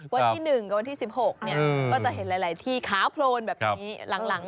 วันที่๑กับวันที่๑๖ก็จะเห็นหลายที่ขาวโพลนแบบนี้หลัง